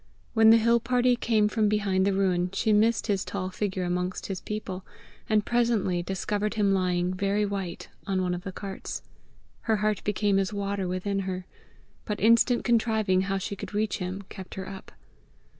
When the hill party came from behind the ruin, she missed his tall figure amongst his people, and presently discovered him lying very white on one of the carts. Her heart became as water within her. But instant contriving how she could reach him, kept her up.